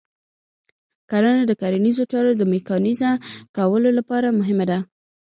کرنه د کرنیزو چارو د میکانیزه کولو لپاره مهمه ده.